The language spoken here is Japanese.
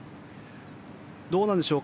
どうなんでしょう